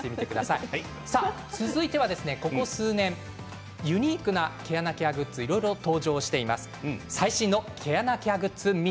続いては、ここ数年ユニークな毛穴ケアグッズが登場しています。